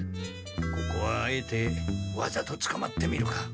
ここはあえてわざとつかまってみるか。